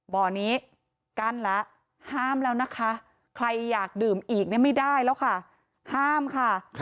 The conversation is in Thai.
บ่อนี้กั้นแล้วห้ามแล้วนะคะใครอยากดื่มอีกเนี่ยไม่ได้แล้วค่ะห้ามค่ะ